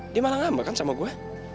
dia malah ngambak kan sama gue